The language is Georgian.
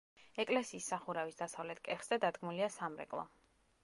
ეკლესიის სახურავის დასავლეთ კეხზე დადგმულია სამრეკლო.